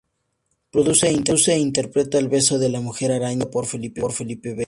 Produce e interpreta "El beso de la Mujer Araña", dirigida por Felipe Vega.